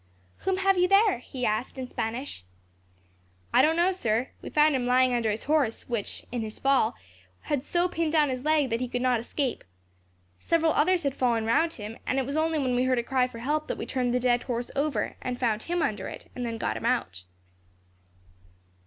"Whom have you there?" he asked, in Spanish. "I don't know, sir. We found him lying under his horse, which, in its fall, had so pinned down his leg that he could not escape. Several others had fallen round him, and it was only when we heard a cry for help that we turned the dead horse over, and found him under it, and then got him out."